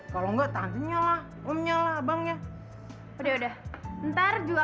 kalau nggak tantenya lah omnya lah abangnya udah udah ntar juga